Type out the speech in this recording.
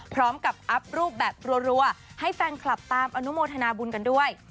พร้อมกับอัพรูปแบบรัวให้แฟนคลับตามอนุโมทนาบุญกันด้วย